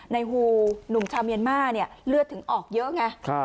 ฮูหนุ่มชาวเมียนมาร์เนี่ยเลือดถึงออกเยอะไง